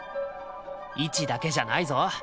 位置だけじゃないぞ。